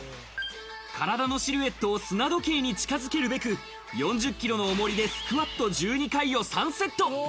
体のシルエットを砂時計に近づけるべく４０キロの重りでスクワット１２回を３セット。